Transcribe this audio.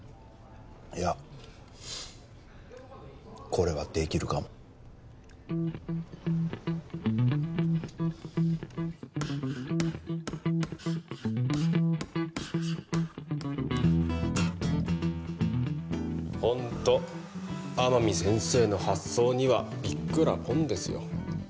いやこれはできるかもほんと天海先生の発想にはびっくらぽんですよ